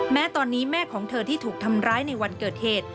แม้ตอนนี้แม่ของเธอที่ถูกทำร้ายในวันเกิดเหตุ